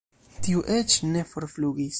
Tiu eĉ ne forflugis.